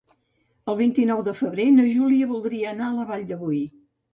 El vint-i-nou de febrer na Júlia voldria anar a la Vall de Boí.